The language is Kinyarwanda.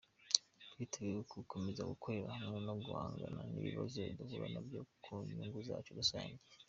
Twiteguye gukomeza gukorera hamwe mu guhangana n’ibibazo duhura nabyo ku nyungu zacu rusange.